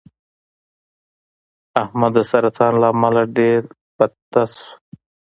احمد د سرطان له امله ډېر بته شو.